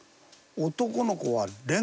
男の子は「蓮」。